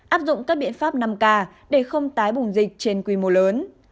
áp dụng các biện pháp năm k để không tái bùng dịch trên quy mô lớn